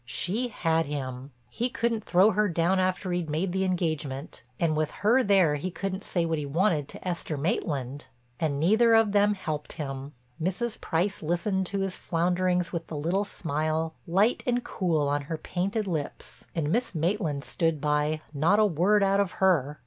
She had him; he couldn't throw her down after he'd made the engagement, and with her there he couldn't say what he wanted to Esther Maitland. And neither of them helped him; Mrs. Price listened to his flounderings with the little smile, light and cool on her painted lips, and Miss Maitland stood by, not a word out of her.